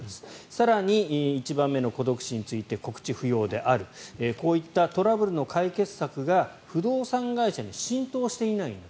更に、１番目の孤独死について告知不要であるこういったトラブルの解決策が不動産会社に浸透していないんだ